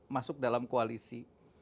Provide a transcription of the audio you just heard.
masuk dalam koalisi